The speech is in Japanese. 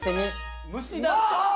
虫だった。